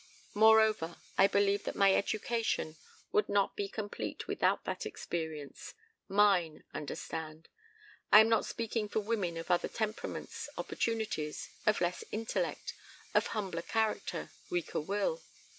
Moreover, I believe that my education would not be complete without that experience mine, understand. I am not speaking for women of other temperaments, opportunities, of less intellect, of humbler character, weaker will.